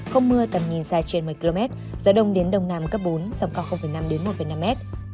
không mưa tầm nhìn xa trên một mươi km gió đông đến đông nam cấp bốn sông cao năm một năm m